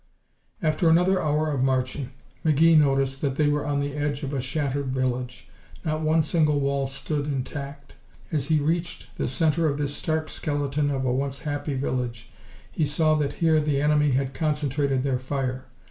After another hour of marching, McGee noticed that they were on the edge of a shattered village. Not one single wall stood intact. As he reached the center of this stark skeleton of a once happy village he saw that here the enemy had concentrated their fire.